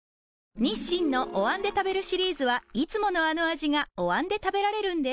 日清のお椀で食べるシリーズはいつものあの味がお椀で食べられるんです